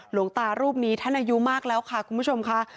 หลวงตารูปนี้ท่านอายุมากแล้วค่ะคุณผู้ชมค่ะ